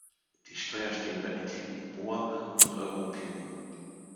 Die Steuerstäbe enthielten Bor und Europium.